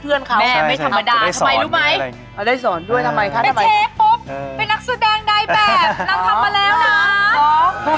เพื่อนเขาไม่ทรมานก็ได้สอนด้วยทำไม